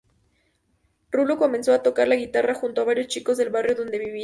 Rulo comenzó a tocar la guitarra junto a varios chicos del barrio donde vivía.